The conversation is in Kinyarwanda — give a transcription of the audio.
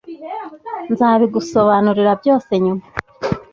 Nzabigusobanurira byose nyuma.